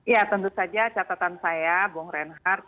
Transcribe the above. ya tentu saja catatan saya bung reinhardt